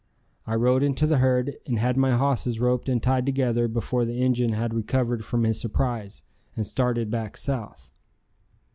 I rode into the herd and had my hosses roped and tied together before the Injun had recovered from his surprise, and started back south.